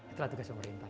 itulah tugas pemerintah